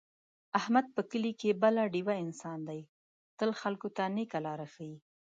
احمد په کلي کې بله ډېوه انسان دی، تل خلکو ته نېکه لاره ښي.